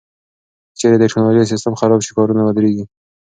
که چیرې د ټکنالوژۍ سیستم خراب شي، کارونه ودریږي.